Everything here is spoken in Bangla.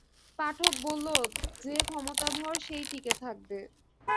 পাঠক বলল, যে ক্ষমতাধর সেই টিকে থাকবে।